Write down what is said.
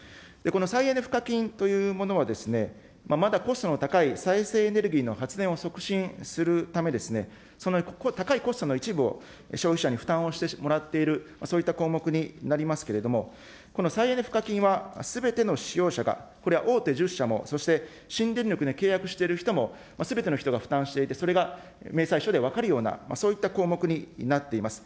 この再エネ賦課金というものはですね、まだコストの高い再生エネルギーの発電を促進するため、高いコストの一部を消費者に負担をしてもらっている、そういった項目になりますけれども、この再エネ賦課金は、すべての使用者が、これは大手１０社も、そして新電力に契約している人もすべての人が負担していて、それが明細書で分かるような、そういった項目になっています。